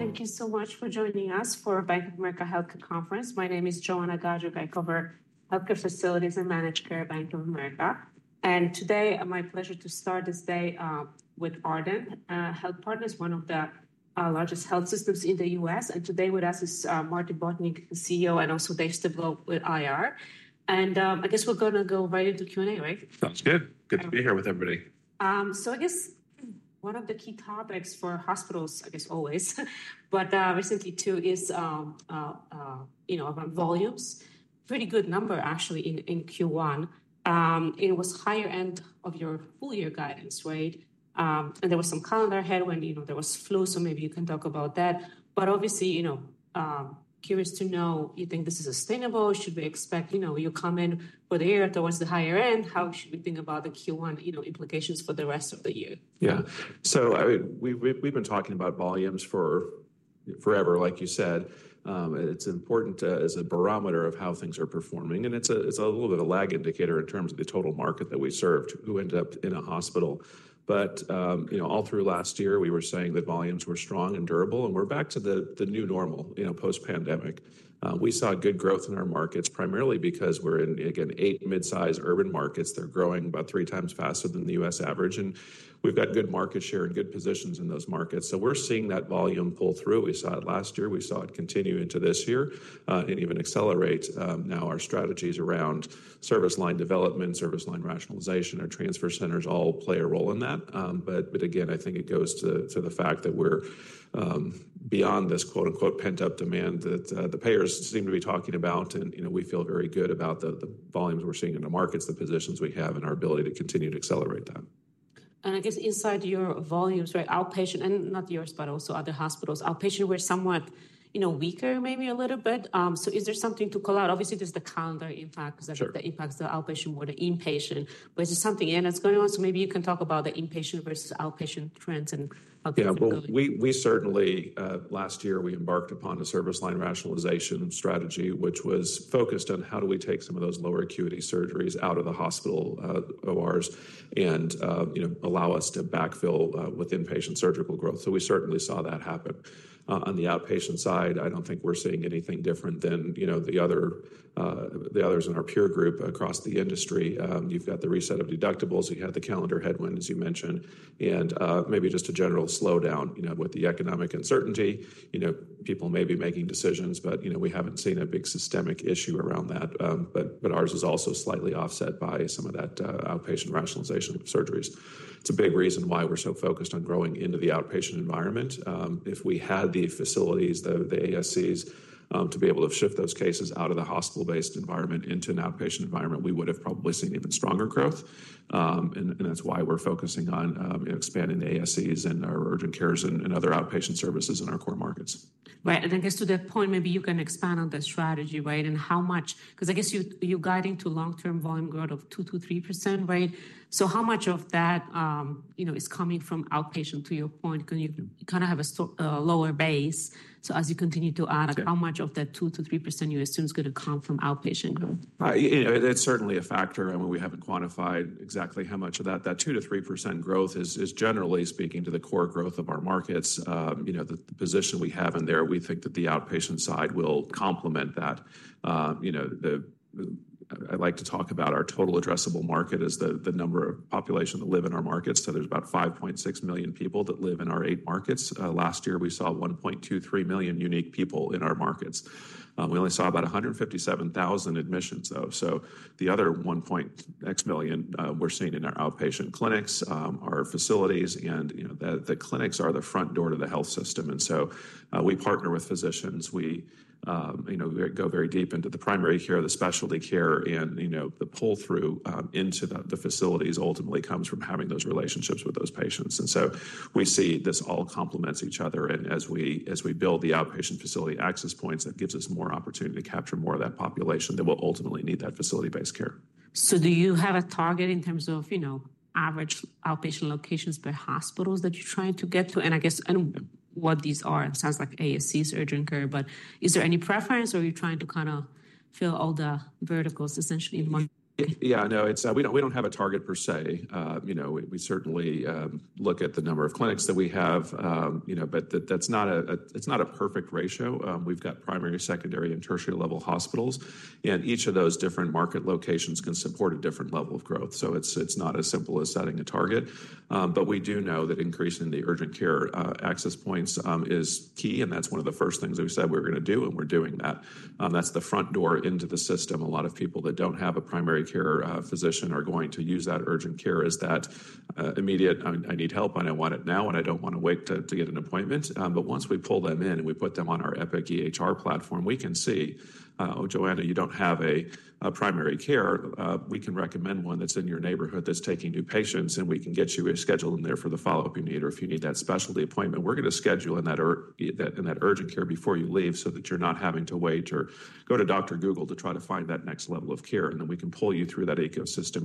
Thank you so much for joining us for the Bank of America Health Conference. My name is Joanna Gajuk. I cover healthcare facilities and managed care at Bank of America. Today, my pleasure to start this day with Ardent Health Partners, one of the largest health systems in the U.S. Today with us is Marty Bonick, CEO, and also Dave Styblo with IR. I guess we're going to go right into Q&A, right? Sounds good. Good to be here with everybody. I guess one of the key topics for hospitals, I guess always, but recently too is, you know, volumes. Pretty good number actually in Q1. It was higher end of your full year guidance, right? There was some calendar ahead when, you know, there was flu. Maybe you can talk about that. Obviously, you know, curious to know, you think this is sustainable? Should we expect, you know, you come in for the year towards the higher end? How should we think about the Q1, you know, implications for the rest of the year? Yeah. So we've been talking about volumes for forever, like you said. It's important as a barometer of how things are performing. And it's a little bit of a lag indicator in terms of the total market that we serve to who ended up in a hospital. But, you know, all through last year, we were saying that volumes were strong and durable. And we're back to the new normal, you know, post-pandemic. We saw good growth in our markets, primarily because we're in, again, eight mid-size urban markets. They're growing about three times faster than the U.S. average. And we've got good market share and good positions in those markets. So we're seeing that volume pull through. We saw it last year. We saw it continue into this year and even accelerate. Now our strategies around service line development, service line rationalization, our transfer centers all play a role in that. Again, I think it goes to the fact that we're beyond this quote unquote pent up demand that the payers seem to be talking about. You know, we feel very good about the volumes we're seeing in the markets, the positions we have, and our ability to continue to accelerate that. I guess inside your volumes, right, outpatient and not yours, but also other hospitals, outpatient were somewhat, you know, weaker maybe a little bit. Is there something to call out? Obviously, there is the calendar impact that impacts the outpatient more than inpatient. Is there something in it's going on? Maybe you can talk about the inpatient versus outpatient trends and how. Yeah, we certainly last year we embarked upon a service line rationalization strategy, which was focused on how do we take some of those lower acuity surgeries out of the hospital ORs and, you know, allow us to backfill with inpatient surgical growth. We certainly saw that happen. On the outpatient side, I don't think we're seeing anything different than, you know, the others in our peer group across the industry. You've got the reset of deductibles. You had the calendar headwind, as you mentioned, and maybe just a general slowdown, you know, with the economic uncertainty. You know, people may be making decisions, but, you know, we haven't seen a big systemic issue around that. Ours is also slightly offset by some of that outpatient rationalization of surgeries. It's a big reason why we're so focused on growing into the outpatient environment. If we had the facilities, the ASCs, to be able to shift those cases out of the hospital-based environment into an outpatient environment, we would have probably seen even stronger growth. That is why we're focusing on expanding the ASCs and our urgent cares and other outpatient services in our core markets. Right. I guess to that point, maybe you can expand on the strategy, right? How much, because I guess you're guiding to long-term volume growth of 2%-3%, right? How much of that, you know, is coming from outpatient, to your point, because you kind of have a lower base? As you continue to add, how much of that 2%-3% you assume is going to come from outpatient growth? That's certainly a factor. I mean, we haven't quantified exactly how much of that. That 2%-3% growth is, generally speaking, to the core growth of our markets. You know, the position we have in there, we think that the outpatient side will complement that. You know, I like to talk about our total addressable market as the number of population that live in our markets. So there's about 5.6 million people that live in our eight markets. Last year, we saw 1.23 million unique people in our markets. We only saw about 157,000 admissions, though. So the other 1.X million we're seeing in our outpatient clinics, our facilities, and, you know, the clinics are the front door to the health system. And so we partner with physicians. We, you know, go very deep into the primary care, the specialty care, and, you know, the pull through into the facilities ultimately comes from having those relationships with those patients. We see this all complements each other. As we build the outpatient facility access points, that gives us more opportunity to capture more of that population that will ultimately need that facility-based care. Do you have a target in terms of, you know, average outpatient locations per hospitals that you're trying to get to? I guess what these are, it sounds like ASCs, urgent care, but is there any preference or are you trying to kind of fill all the verticals essentially in one? Yeah, no, we do not have a target per se. You know, we certainly look at the number of clinics that we have, you know, but that is not a perfect ratio. We have got primary, secondary, and tertiary level hospitals. Each of those different market locations can support a different level of growth. It is not as simple as setting a target. We do know that increasing the urgent care access points is key. That is one of the first things we said we were going to do, and we are doing that. That is the front door into the system. A lot of people that do not have a primary care physician are going to use that urgent care as that immediate, I need help, I want it now, and I do not want to wait to get an appointment. Once we pull them in and we put them on our Epic EHR platform, we can see, oh, Joanna, you do not have a primary care. We can recommend one that is in your neighborhood that is taking new patients, and we can get you scheduled in there for the follow-up you need or if you need that specialty appointment. We are going to schedule in that urgent care before you leave so that you are not having to wait or go to Dr. Google to try to find that next level of care. We can pull you through that ecosystem.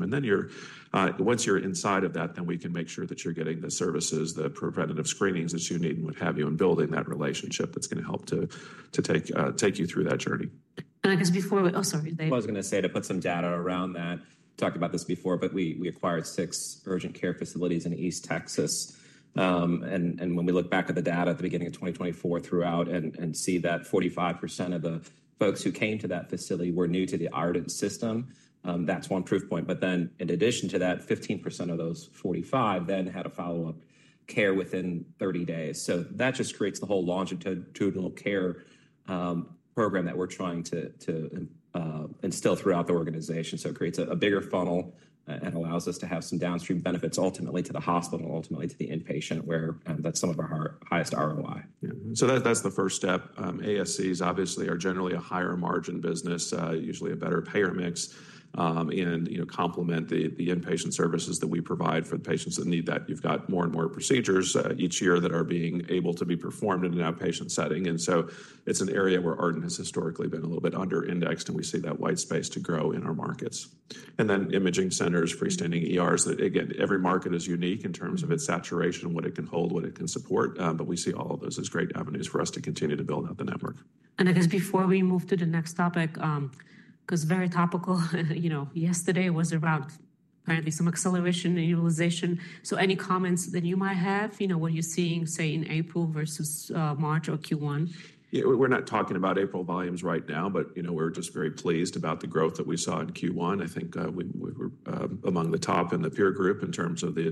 Once you are inside of that, we can make sure that you are getting the services, the preventative screenings that you need and what have you and building that relationship that is going to help to take you through that journey. I guess before we—oh, sorry. I was going to say to put some data around that. Talked about this before, but we acquired six urgent care facilities in East Texas. When we look back at the data at the beginning of 2024 throughout and see that 45% of the folks who came to that facility were new to the Ardent system, that's one proof point. In addition to that, 15% of those 45 then had a follow-up care within 30 days. That just creates the whole longitudinal care program that we're trying to instill throughout the organization. It creates a bigger funnel and allows us to have some downstream benefits ultimately to the hospital, ultimately to the inpatient, where that's some of our highest ROI. That's the first step. ASCs obviously are generally a higher margin business, usually a better payer mix, and, you know, complement the inpatient services that we provide for the patients that need that. You've got more and more procedures each year that are being able to be performed in an outpatient setting. It is an area where Ardent has historically been a little bit under-indexed, and we see that white space to grow in our markets. Then imaging centers, freestanding ERs, that again, every market is unique in terms of its saturation, what it can hold, what it can support. We see all of those as great avenues for us to continue to build out the network. I guess before we move to the next topic, because very topical, you know, yesterday was around apparently some acceleration in utilization. So any comments that you might have, you know, what you're seeing, say, in April versus March or Q1? Yeah, we're not talking about April volumes right now, but, you know, we're just very pleased about the growth that we saw in Q1. I think we were among the top in the peer group in terms of the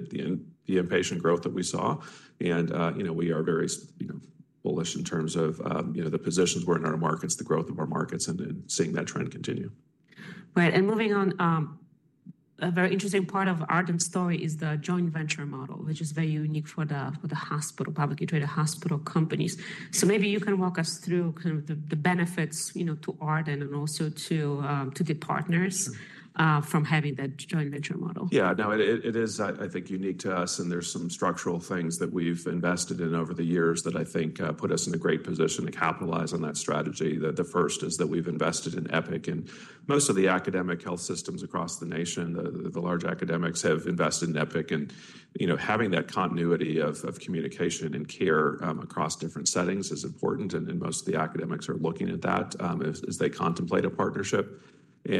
inpatient growth that we saw. You know, we are very, you know, bullish in terms of, you know, the positions we're in our markets, the growth of our markets, and seeing that trend continue. Right. Moving on, a very interesting part of Ardent's story is the joint venture model, which is very unique for the hospital, publicly traded hospital companies. Maybe you can walk us through kind of the benefits, you know, to Ardent and also to the partners from having that joint venture model. Yeah, no, it is, I think, unique to us. There's some structural things that we've invested in over the years that I think put us in a great position to capitalize on that strategy. The first is that we've invested in Epic. Most of the academic health systems across the nation, the large academics have invested in Epic. You know, having that continuity of communication and care across different settings is important. Most of the academics are looking at that as they contemplate a partnership. You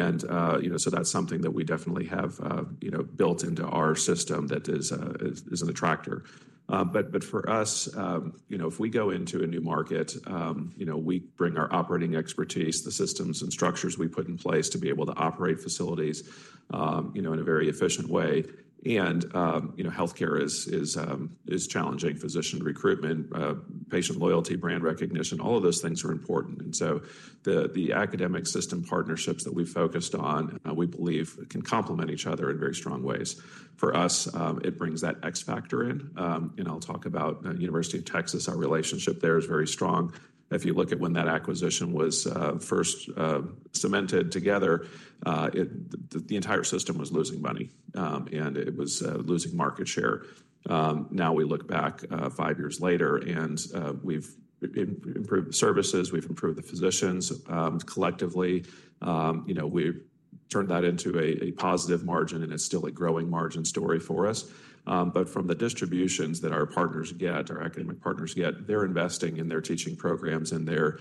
know, that's something that we definitely have, you know, built into our system that is an attractor. For us, you know, if we go into a new market, you know, we bring our operating expertise, the systems and structures we put in place to be able to operate facilities, you know, in a very efficient way. You know, healthcare is challenging. Physician recruitment, patient loyalty, brand recognition, all of those things are important. The academic system partnerships that we focused on, we believe can complement each other in very strong ways. For us, it brings that X factor in. I'll talk about the University of Texas. Our relationship there is very strong. If you look at when that acquisition was first cemented together, the entire system was losing money, and it was losing market share. Now we look back five years later, and we've improved the services, we've improved the physicians collectively. You know, we turned that into a positive margin, and it's still a growing margin story for us. From the distributions that our partners get, our academic partners get, they're investing in their teaching programs and they're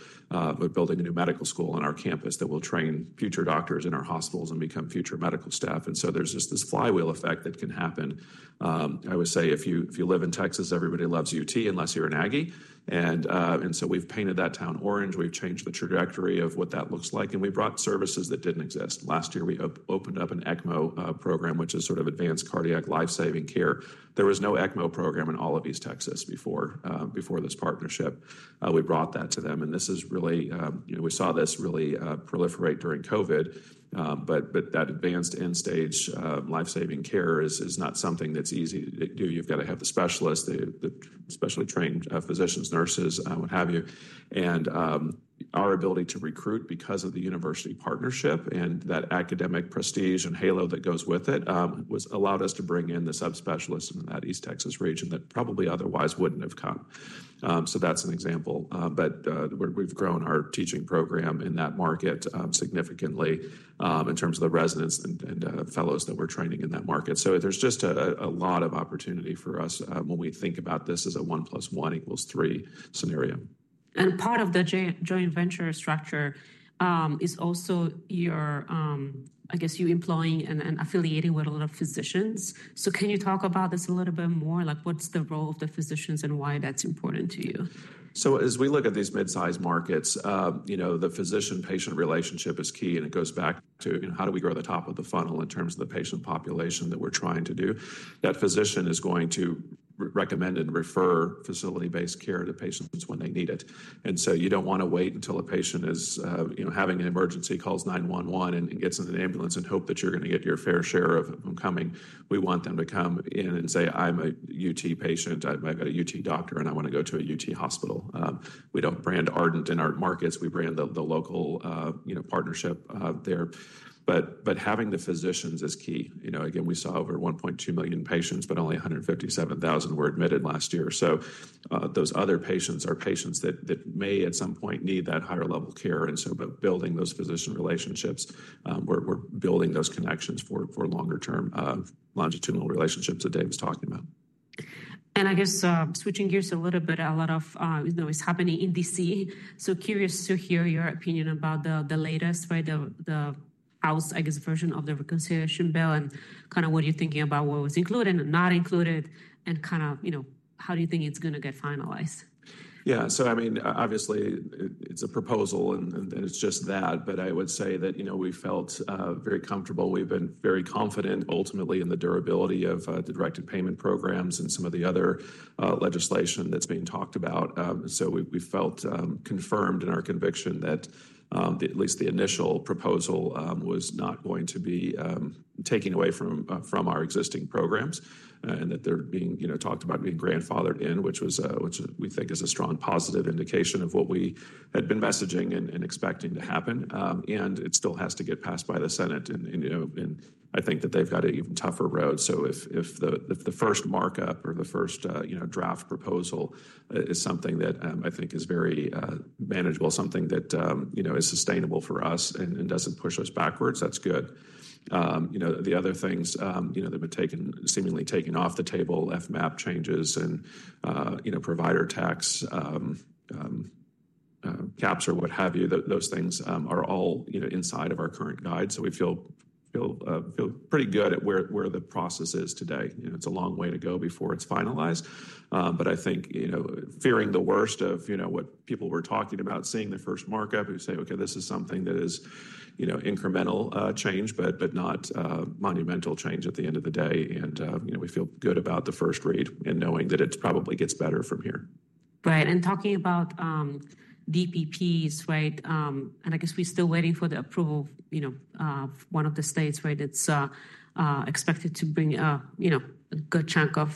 building a new medical school on our campus that will train future doctors in our hospitals and become future medical staff. There is just this flywheel effect that can happen. I would say if you live in Texas, everybody loves UT unless you're an Aggie. We've painted that town orange. We've changed the trajectory of what that looks like. We brought services that did not exist. Last year, we opened up an ECMO program, which is sort of advanced cardiac lifesaving care. There was no ECMO program in all of East Texas before this partnership. We brought that to them. This is really, you know, we saw this really proliferate during COVID. That advanced end-stage lifesaving care is not something that's easy to do. have got to have the specialists, the specially trained physicians, nurses, what have you. Our ability to recruit because of the university partnership and that academic prestige and halo that goes with it allowed us to bring in the subspecialists in that East Texas region that probably otherwise would not have come. That is an example. We have grown our teaching program in that market significantly in terms of the residents and fellows that we are training in that market. There is just a lot of opportunity for us when we think about this as a one plus one equals three scenario. Part of the joint venture structure is also your, I guess you employing and affiliating with a lot of physicians. Can you talk about this a little bit more? Like what's the role of the physicians and why that's important to you? As we look at these mid-size markets, you know, the physician-patient relationship is key. It goes back to, you know, how do we grow the top of the funnel in terms of the patient population that we're trying to do? That physician is going to recommend and refer facility-based care to patients when they need it. You don't want to wait until a patient is, you know, having an emergency, calls 911 and gets in an ambulance and hope that you're going to get your fair share of them coming. We want them to come in and say, "I'm a UT patient. I've got a UT doctor, and I want to go to a UT hospital." We don't brand Ardent in our markets. We brand the local, you know, partnership there. Having the physicians is key. You know, again, we saw over 1.2 million patients, but only 157,000 were admitted last year. Those other patients are patients that may at some point need that higher level care. Building those physician relationships, we're building those connections for longer-term longitudinal relationships that Dave was talking about. I guess switching gears a little bit, a lot of, you know, is happening in D.C. Curious to hear your opinion about the latest, right, the House, I guess, version of the reconciliation bill and kind of what you're thinking about, what was included and not included, and kind of, you know, how do you think it's going to get finalized? Yeah. I mean, obviously, it's a proposal and it's just that. I would say that, you know, we felt very comfortable. We've been very confident ultimately in the durability of the directed payment programs and some of the other legislation that's being talked about. We felt confirmed in our conviction that at least the initial proposal was not going to be taking away from our existing programs and that they're being, you know, talked about being grandfathered in, which we think is a strong positive indication of what we had been messaging and expecting to happen. It still has to get passed by the Senate. You know, I think that they've got an even tougher road. If the first markup or the first, you know, draft proposal is something that I think is very manageable, something that, you know, is sustainable for us and does not push us backwards, that is good. You know, the other things, you know, that have been taken, seemingly taken off the table, FMAP changes and, you know, provider tax caps or what have you, those things are all, you know, inside of our current guide. We feel pretty good at where the process is today. You know, it is a long way to go before it is finalized. I think, you know, fearing the worst of, you know, what people were talking about, seeing the first markup, we say, "Okay, this is something that is, you know, incremental change, but not monumental change at the end of the day." You know, we feel good about the first read and knowing that it probably gets better from here. Right. And talking about DPPs, right? I guess we're still waiting for the approval, you know, one of the states, right? It's expected to bring, you know, a good chunk of,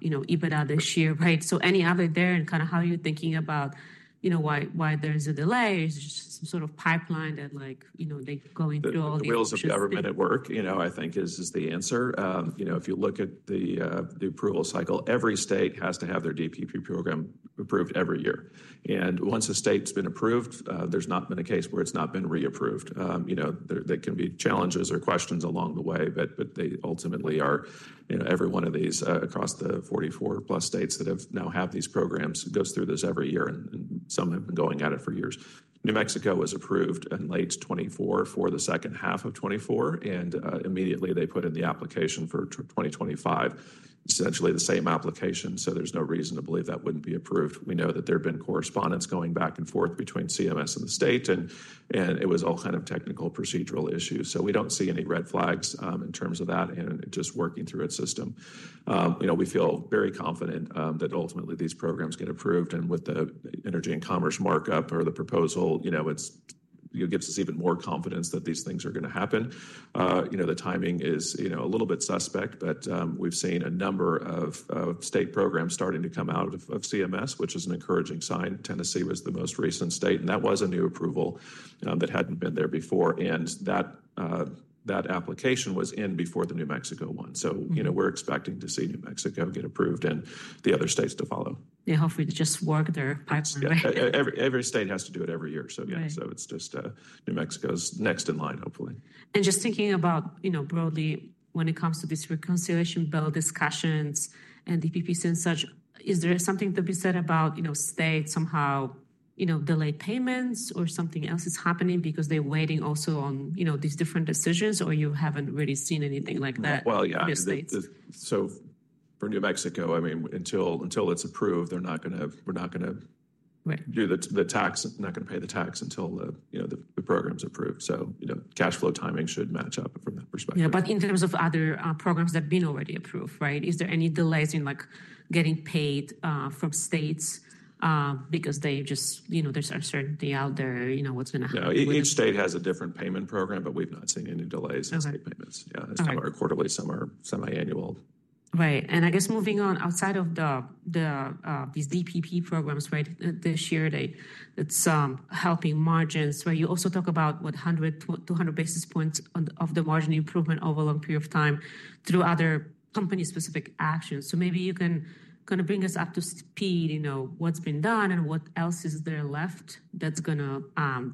you know, EBITDA this year, right? Any other there and kind of how are you thinking about, you know, why there's a delay? Is there some sort of pipeline that, like, you know, they're going through all the. The wheels of government at work, you know, I think is the answer. You know, if you look at the approval cycle, every state has to have their DPP program approved every year. Once a state has been approved, there has not been a case where it has not been reapproved. You know, there can be challenges or questions along the way, but they ultimately are, you know, every one of these across the 44+ states that now have these programs goes through this every year. Some have been going at it for years. New Mexico was approved in late 2024 for the second half of 2024. Immediately they put in the application for 2025, essentially the same application. There is no reason to believe that would not be approved. We know that there has been correspondence going back and forth between CMS and the state. It was all kind of technical procedural issues. We do not see any red flags in terms of that and just working through its system. You know, we feel very confident that ultimately these programs get approved. With the energy and commerce markup or the proposal, you know, it gives us even more confidence that these things are going to happen. You know, the timing is, you know, a little bit suspect, but we have seen a number of state programs starting to come out of CMS, which is an encouraging sign. Tennessee was the most recent state, and that was a new approval that had not been there before. That application was in before the New Mexico one. You know, we are expecting to see New Mexico get approved and the other states to follow. They hopefully just work their parts away. Every state has to do it every year. Yeah, it's just New Mexico's next in line, hopefully. Just thinking about, you know, broadly when it comes to this reconciliation bill discussions and DPPs and such, is there something to be said about, you know, states somehow, you know, delayed payments or something else is happening because they're waiting also on, you know, these different decisions or you haven't really seen anything like that? Yeah. So for New Mexico, I mean, until it's approved, they're not going to, we're not going to do the tax, not going to pay the tax until, you know, the program's approved. So, you know, cash flow timing should match up from that perspective. Yeah, but in terms of other programs that have been already approved, right? Is there any delays in like getting paid from states because they just, you know, there's uncertainty out there, you know, what's going to happen? Each state has a different payment program, but we've not seen any delays in state payments. Yeah, it's kind of our quarterly, summer, semi-annual. Right. I guess moving on outside of these DPP programs, right, this year, it's helping margins, right? You also talk about, what, 100-200 basis points of the margin improvement over a long period of time through other company-specific actions. Maybe you can kind of bring us up to speed, you know, what's been done and what else is there left that's going to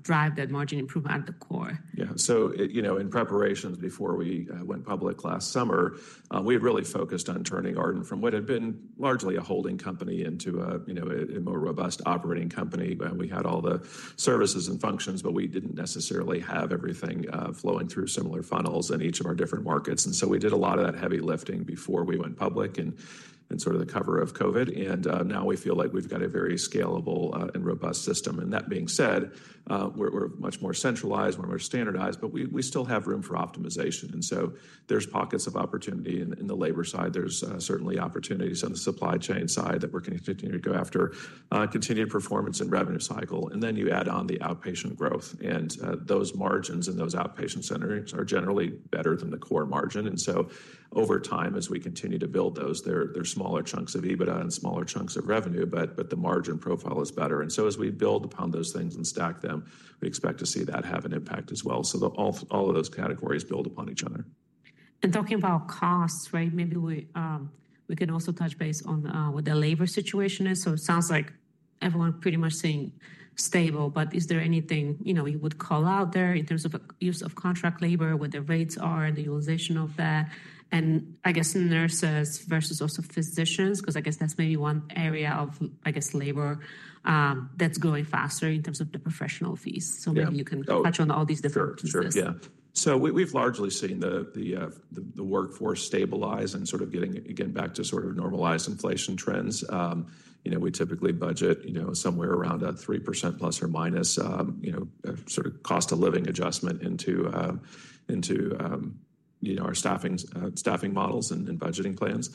drive that margin improvement at the core. Yeah. So, you know, in preparations before we went public last summer, we had really focused on turning Ardent from what had been largely a holding company into, you know, a more robust operating company. We had all the services and functions, but we did not necessarily have everything flowing through similar funnels in each of our different markets. We did a lot of that heavy lifting before we went public and sort of the cover of COVID. Now we feel like we have got a very scalable and robust system. That being said, we are much more centralized, more standardized, but we still have room for optimization. There are pockets of opportunity in the labor side. There are certainly opportunities on the supply chain side that we are continuing to go after, continued performance and revenue cycle. Then you add on the outpatient growth. Those margins and those outpatient centers are generally better than the core margin. Over time, as we continue to build those, there are smaller chunks of EBITDA and smaller chunks of revenue, but the margin profile is better. As we build upon those things and stack them, we expect to see that have an impact as well. All of those categories build upon each other. Talking about costs, right? Maybe we can also touch base on what the labor situation is. It sounds like everyone pretty much seeing stable. Is there anything, you know, you would call out there in terms of use of contract labor, what the rates are, the utilization of that? I guess nurses versus also physicians, because I guess that's maybe one area of, I guess, labor that's growing faster in terms of the professional fees. Maybe you can touch on all these different pieces. Sure. Yeah. So we've largely seen the workforce stabilize and sort of getting again back to sort of normalized inflation trends. You know, we typically budget, you know, somewhere around a 3%±, you know, sort of cost of living adjustment into our staffing models and budgeting plans.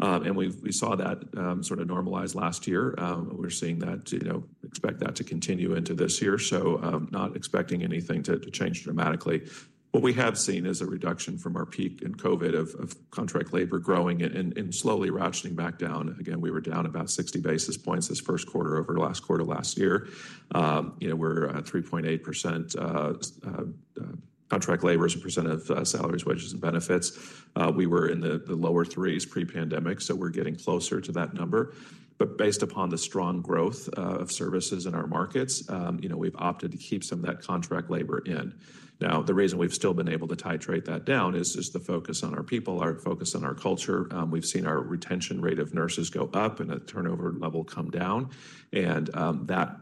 You know, we saw that sort of normalize last year. We're seeing that, you know, expect that to continue into this year. Not expecting anything to change dramatically. What we have seen is a reduction from our peak in COVID of contract labor growing and slowly ratcheting back down. Again, we were down about 60 basis points this first quarter over the last quarter last year. You know, we're at 3.8% contract labor as a percent of salaries, wages, and benefits. We were in the lower threes pre-pandemic. We're getting closer to that number. Based upon the strong growth of services in our markets, you know, we've opted to keep some of that contract labor in. Now, the reason we've still been able to titrate that down is the focus on our people, our focus on our culture. We've seen our retention rate of nurses go up and a turnover level come down. That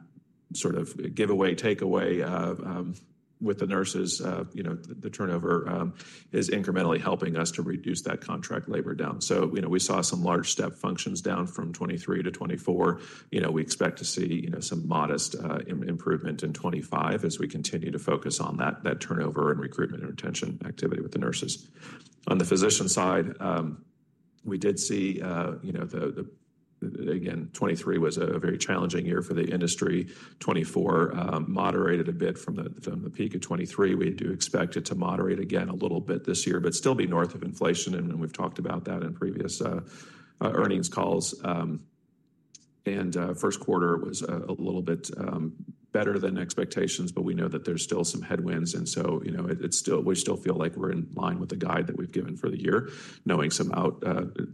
sort of giveaway, takeaway with the nurses, you know, the turnover is incrementally helping us to reduce that contract labor down. You know, we saw some large step functions down from 2023 to 2024. We expect to see, you know, some modest improvement in 2025 as we continue to focus on that turnover and recruitment and retention activity with the nurses. On the physician side, we did see, you know, again, 2023 was a very challenging year for the industry. 2024 moderated a bit from the peak of 2023. We do expect it to moderate again a little bit this year, but still be north of inflation. And we've talked about that in previous earnings calls. First quarter was a little bit better than expectations, but we know that there's still some headwinds. You know, we still feel like we're in line with the guide that we've given for the year, knowing some out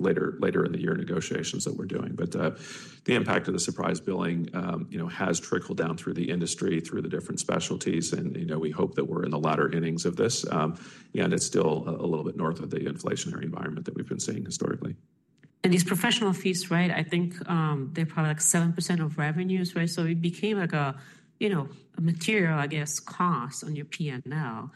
later in the year negotiations that we're doing. The impact of the surprise billing, you know, has trickled down through the industry, through the different specialties. You know, we hope that we're in the latter innings of this. It's still a little bit north of the inflationary environment that we've been seeing historically. These professional fees, right? I think they're probably like 7% of revenues, right? It became like a, you know, a material, I guess, cost on your P&L.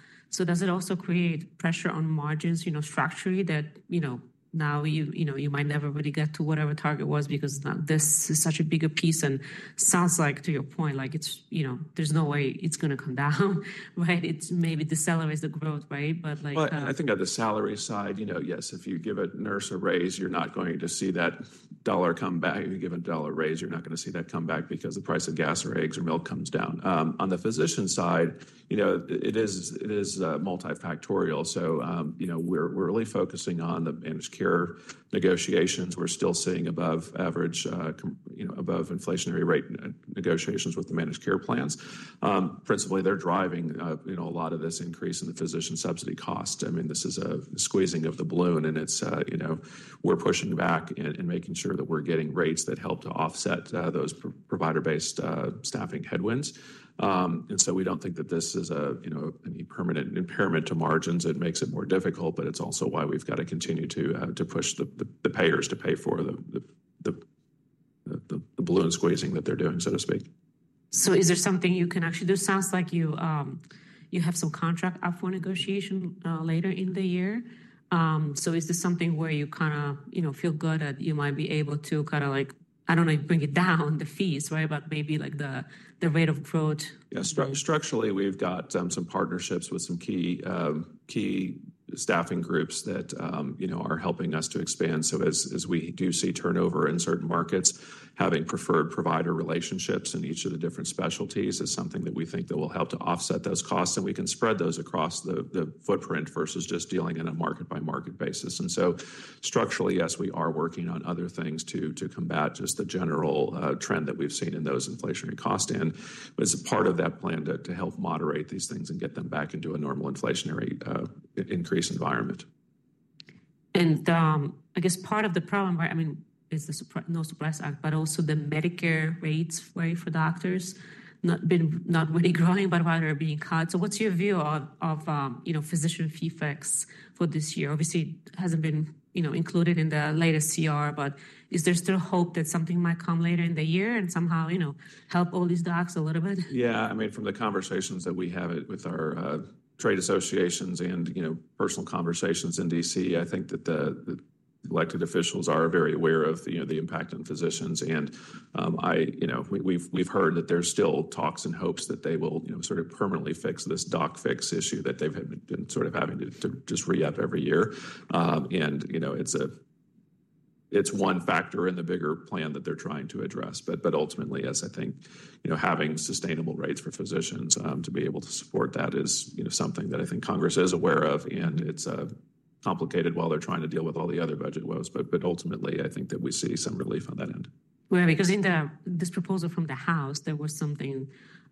Does it also create pressure on margins, you know, structurally that, you know, now you might never really get to whatever target was because this is such a bigger piece? And sounds like, to your point, like it's, you know, there's no way it's going to come down, right? It maybe decelerates the growth, right? But like. I think on the salary side, you know, yes, if you give a nurse a raise, you're not going to see that dollar come back. If you give a dollar raise, you're not going to see that come back because the price of gas or eggs or milk comes down. On the physician side, you know, it is multifactorial. So, you know, we're really focusing on the managed care negotiations. We're still seeing above average, you know, above inflationary rate negotiations with the managed care plans. Principally, they're driving, you know, a lot of this increase in the physician subsidy cost. I mean, this is a squeezing of the balloon. It's, you know, we're pushing back and making sure that we're getting rates that help to offset those provider-based staffing headwinds. We don't think that this is, you know, any permanent impairment to margins. It makes it more difficult, but it's also why we've got to continue to push the payers to pay for the balloon squeezing that they're doing, so to speak. Is there something you can actually do? Sounds like you have some contract up for negotiation later in the year. Is this something where you kind of, you know, feel good that you might be able to kind of like, I don't know, bring it down, the fees, right? Maybe like the rate of growth. Yeah. Structurally, we've got some partnerships with some key staffing groups that, you know, are helping us to expand. As we do see turnover in certain markets, having preferred provider relationships in each of the different specialties is something that we think that will help to offset those costs. We can spread those across the footprint versus just dealing in a market-by-market basis. Structurally, yes, we are working on other things to combat just the general trend that we've seen in those inflationary costs and as a part of that plan to help moderate these things and get them back into a normal inflationary increase environment. I guess part of the problem where, I mean, is the No Surprises Act, but also the Medicare rates, right, for doctors not really growing, but while they're being cut. What's your view of, you know, physician fee fix for this year? Obviously, it hasn't been, you know, included in the latest CR, but is there still hope that something might come later in the year and somehow, you know, help all these docs a little bit? Yeah. I mean, from the conversations that we have with our trade associations and, you know, personal conversations in D.C., I think that the elected officials are very aware of, you know, the impact on physicians. And I, you know, we've heard that there's still talks and hopes that they will, you know, sort of permanently fix this doc fix issue that they've been sort of having to just re-up every year. And, you know, it's one factor in the bigger plan that they're trying to address. Ultimately, as I think, you know, having sustainable rates for physicians to be able to support that is, you know, something that I think Congress is aware of. It's complicated while they're trying to deal with all the other budget woes. Ultimately, I think that we see some relief on that end. Because in this proposal from the House, there was something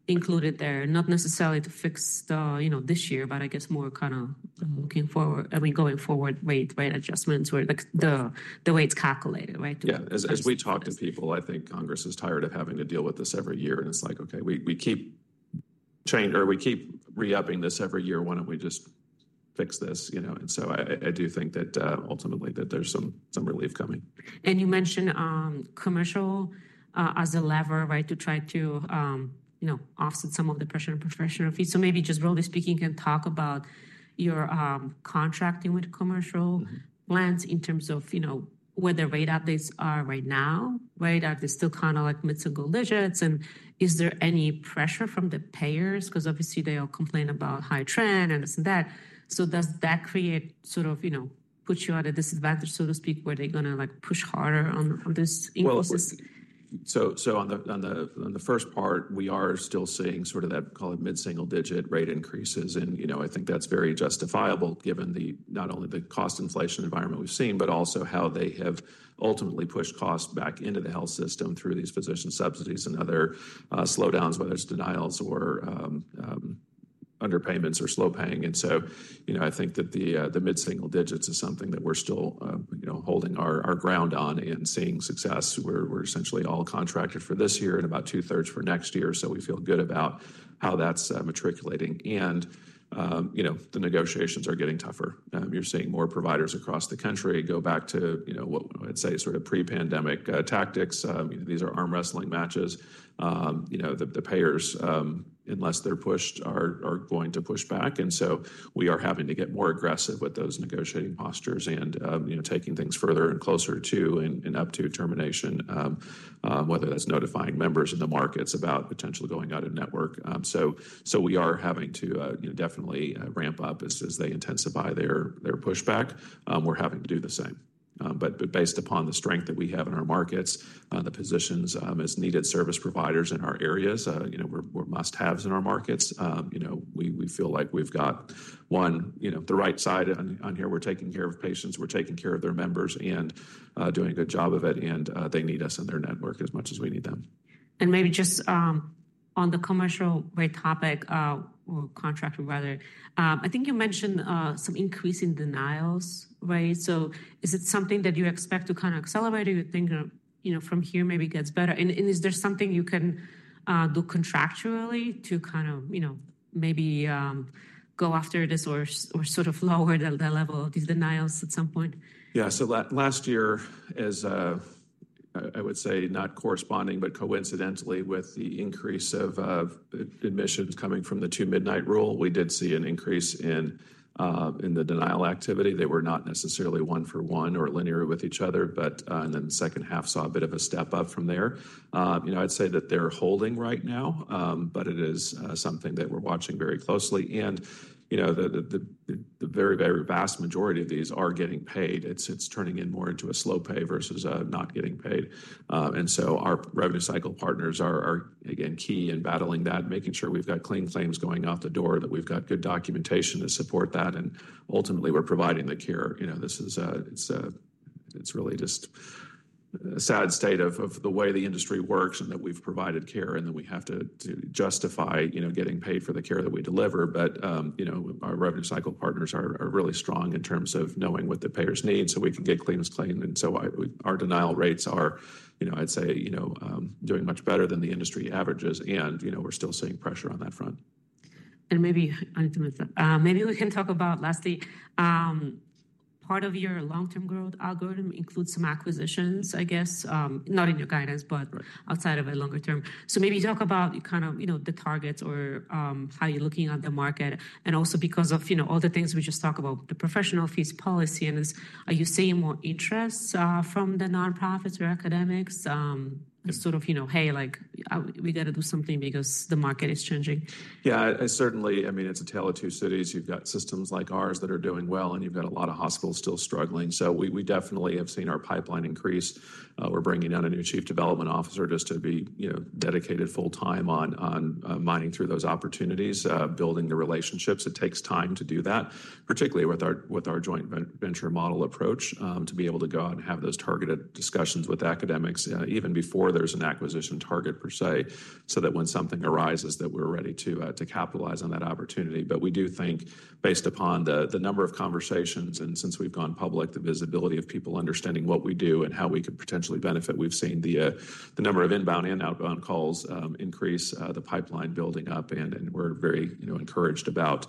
included there, not necessarily to fix, you know, this year, but I guess more kind of looking forward, I mean, going forward rate, right, adjustments or the rates calculated, right? Yeah. As we talk to people, I think Congress is tired of having to deal with this every year. It's like, okay, we keep re-upping this every year. Why don't we just fix this, you know? I do think that ultimately that there's some relief coming. You mentioned commercial as a lever, right, to try to, you know, offset some of the pressure on professional fees. Maybe just broadly speaking, can you talk about your contracting with commercial plans in terms of, you know, where the rate updates are right now, right? Are they still kind of like mid-to-gold digits? Is there any pressure from the payers? Because obviously they all complain about high trend and this and that. Does that create sort of, you know, put you at a disadvantage, so to speak, where they're going to like push harder on this increase? On the first part, we are still seeing sort of that, call it, mid-single digit rate increases. You know, I think that's very justifiable given not only the cost inflation environment we've seen, but also how they have ultimately pushed costs back into the health system through these physician subsidies and other slowdowns, whether it's denials or underpayments or slow paying. You know, I think that the mid-single digits is something that we're still, you know, holding our ground on and seeing success. We're essentially all contracted for this year and about two-thirds for next year. We feel good about how that's matriculating. You know, the negotiations are getting tougher. You're seeing more providers across the country go back to, you know, what I'd say sort of pre-pandemic tactics. These are arm wrestling matches. You know, the payers, unless they're pushed, are going to push back. We are having to get more aggressive with those negotiating postures and, you know, taking things further and closer to and up to termination, whether that's notifying members in the markets about potentially going out of network. We are having to, you know, definitely ramp up as they intensify their pushback. We're having to do the same. Based upon the strength that we have in our markets, the positions as needed service providers in our areas, you know, we're must-haves in our markets. You know, we feel like we've got one, you know, the right side on here. We're taking care of patients. We're taking care of their members and doing a good job of it. They need us in their network as much as we need them. Maybe just on the commercial rate topic, contract rather, I think you mentioned some increasing denials, right? Is it something that you expect to kind of accelerate or you think, you know, from here maybe gets better? Is there something you can do contractually to kind of, you know, maybe go after this or sort of lower the level of these denials at some point? Yeah. Last year is, I would say, not corresponding, but coincidentally with the increase of admissions coming from the two midnight rule. We did see an increase in the denial activity. They were not necessarily one for one or linear with each other, but in the second half saw a bit of a step up from there. You know, I'd say that they're holding right now, but it is something that we're watching very closely. You know, the very, very vast majority of these are getting paid. It's turning in more into a slow pay versus not getting paid. Our revenue cycle partners are, again, key in battling that, making sure we've got clean claims going out the door, that we've got good documentation to support that. Ultimately, we're providing the care. You know, this is, it's really just a sad state of the way the industry works and that we've provided care and that we have to justify, you know, getting paid for the care that we deliver. You know, our revenue cycle partners are really strong in terms of knowing what the payers need so we can get clean claims. Our denial rates are, you know, I'd say, you know, doing much better than the industry averages. You know, we're still seeing pressure on that front. Maybe we can talk about, lastly, part of your long-term growth algorithm includes some acquisitions, I guess, not in your guidance, but outside of a longer term. Maybe talk about kind of, you know, the targets or how you're looking at the market. Also, because of, you know, all the things we just talked about, the professional fees policy. Are you seeing more interest from the nonprofits or academics? Sort of, you know, hey, like we got to do something because the market is changing. Yeah, certainly. I mean, it's a tale of two cities. You've got systems like ours that are doing well and you've got a lot of hospitals still struggling. We definitely have seen our pipeline increase. We're bringing down a new Chief Development Officer just to be, you know, dedicated full-time on mining through those opportunities, building the relationships. It takes time to do that, particularly with our joint venture model approach to be able to go out and have those targeted discussions with academics even before there's an acquisition target per se so that when something arises that we're ready to capitalize on that opportunity. We do think based upon the number of conversations and since we've gone public, the visibility of people understanding what we do and how we could potentially benefit, we've seen the number of inbound and outbound calls increase, the pipeline building up. We are very, you know, encouraged about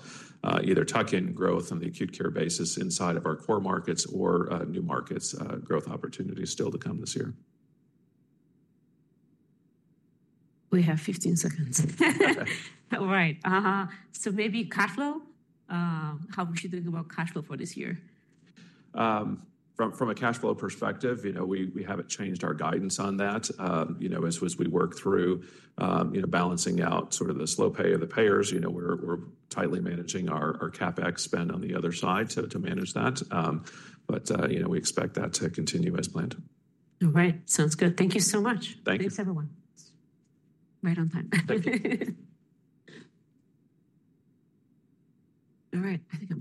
either tuck-in growth on the acute care basis inside of our core markets or new markets growth opportunities still to come this year. We have 15 seconds. All right. Maybe cash flow. How would you think about cash flow for this year? From a cash flow perspective, you know, we haven't changed our guidance on that. You know, as we work through, you know, balancing out sort of the slow pay of the payers, you know, we're tightly managing our CapEx spend on the other side to manage that. You know, we expect that to continue as planned. All right. Sounds good. Thank you so much. Thank you. Thanks, everyone. Right on time. All right. I think.